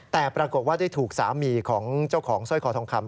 แต่ปรากฏว่าได้ถูกสามีของเจ้าของสร้อยคอทองคำ